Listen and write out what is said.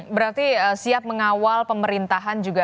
berarti siap mengawal pemerintahan juga